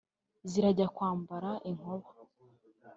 Zirajya kwambara inkoba;